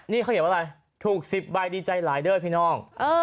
นี่เขาเห็นว่าอะไรถูก๑๐ใบดีใจหลายเด้อพี่น้อง